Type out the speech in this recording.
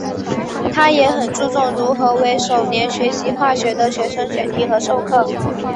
他也很注重如何为首年学习化学的学生选题和授课。